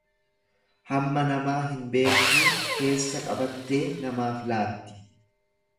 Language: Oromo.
Hamma namaa hin beektuu keessa qabattee namaaf laatti.